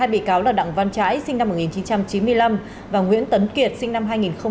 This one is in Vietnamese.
hai bị cáo là đặng văn trãi sinh năm một nghìn chín trăm chín mươi năm và nguyễn tấn kiệt sinh năm hai nghìn